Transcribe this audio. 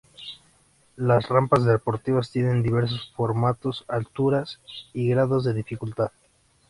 Las rampas deportivas tienen diversos formatos, alturas, y grados de dificultad.